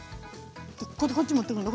今度こっち持ってくるの？